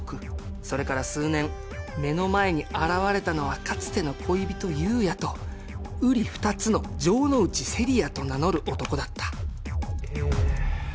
それから数年目の前に現れたのはかつての恋人・悠也と瓜二つの城ノ内聖里矢と名乗る男だったええ